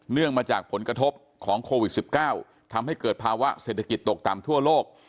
มาจากผลกระทบของโควิด๑๙ทำให้เกิดภาวะเศรษฐกิจตกต่ำทั่วโลก